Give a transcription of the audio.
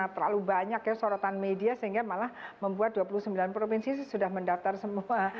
terlalu banyak ya sorotan media sehingga malah membuat dua puluh sembilan provinsi sudah mendaftar semua